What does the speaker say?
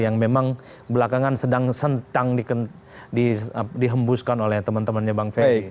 yang memang belakangan sedang sentang dihembuskan oleh teman temannya bang ferry